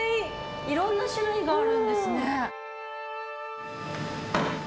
いろんな種類があるんですね。